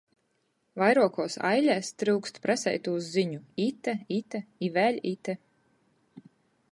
Vairuokuos ailēs tryukst praseitūs ziņu — ite, ite i vēļ ite!